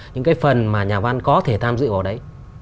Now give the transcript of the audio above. những cái phần mà nhà văn có thể tham dự vào đấy